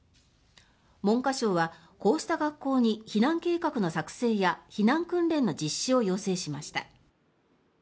文科省はこうした学校に避難計画の作成や避難訓練の実施を要請しました。